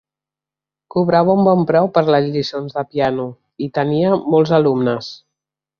Cobrava un bon preu per les lliçons de piano, i tenia molts alumnes.